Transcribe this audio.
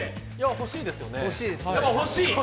欲しいですよね。